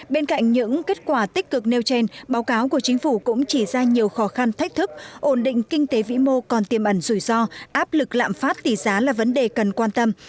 bên cạnh những kết quả tích cực nêu trên báo cáo của chính phủ cũng chỉ ra nhiều khó khăn thách thức ổn định kinh tế vĩ mô còn tiềm ẩn rủi ro áp lực lạm phát tỷ giá là vấn đề cần quan tâm